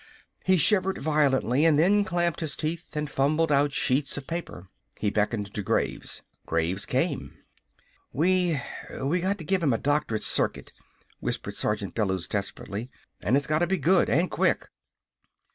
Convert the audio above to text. He shivered violently, and then clamped his teeth and fumbled out sheets of paper. He beckoned to Graves. Graves came. "We we got to give him a doctored circuit," whispered Sergeant Bellews desperately, "and it's got to be good an' quick!"